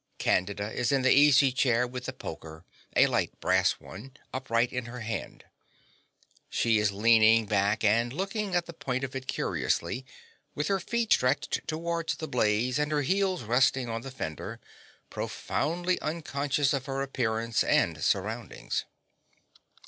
Candida is in the easy chair with the poker, a light brass one, upright in her hand. She is leaning back and looking at the point of it curiously, with her feet stretched towards the blaze and her heels resting on the fender, profoundly unconscious of her appearance and surroundings.